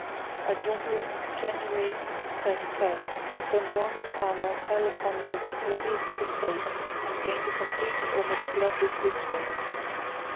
At Gembloux, January 31, Don John and Parma fell upon the levies of the States and gained a complete and almost bloodless victory.